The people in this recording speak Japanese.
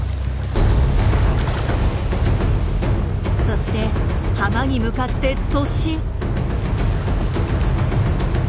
そして浜に向かって突進！